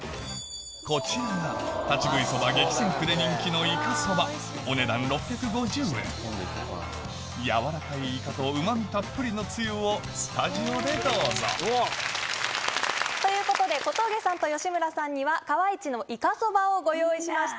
こちらが立ち食いそば激戦区で人気の軟らかいイカとうま味たっぷりのつゆをスタジオでどうぞということで小峠さんと吉村さんには川一のいかそばをご用意しました。